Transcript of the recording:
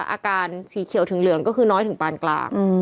สีเขียวถึงเหลืองก็คือน้อยถึงปานกลาง